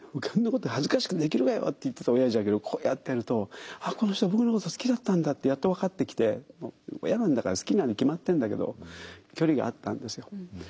「こんなこと恥ずかしくてできるかよ」って言ってたおやじだけどこうやってやると「ああこの人は僕のこと好きだったんだ」ってやっと分かってきて親なんだから好きなのは決まってんだけど距離があったんですよ。